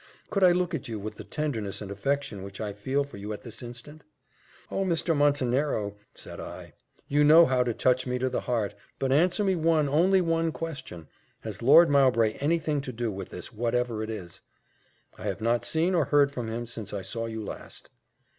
Could I look at you with the tenderness and affection which I feel for you at this instant?" "Oh! Mr. Montenero," said I, "you know how to touch me to the heart; but answer me one, only one question has Lord Mowbray any thing to do with this, whatever it is?" "I have not seen or heard from him since I saw you last."